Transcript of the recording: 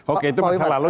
oke itu masa lalu